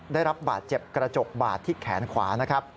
ได้รับบาดเจ็บกระจกบาดที่แขนขวานะครับ